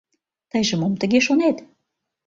Тыйже мом тыге шонет?